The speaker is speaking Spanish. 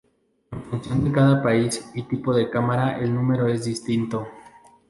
En función de cada país y tipo de cámara el número es distinto.